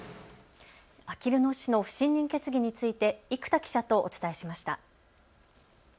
あきる野市の不信任決議について生田記者とお伝えしました。